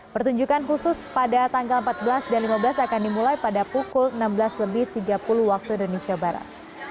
pertunjukan khusus pada tanggal empat belas dan lima belas akan dimulai pada pukul enam belas lebih tiga puluh waktu indonesia barat